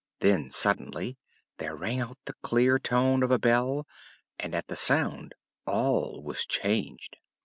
Then suddenly there rang out the clear tone of a bell and at the sound all was changed.